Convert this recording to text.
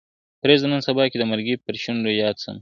پرېږده نن سبا که د مرګي پر شونډو یاد سمه `